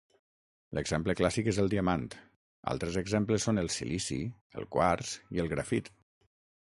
L'exemple clàssic és el diamant, altres exemples són el silici, el quars i el grafit.